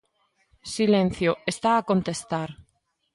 Silencio, está a contestar.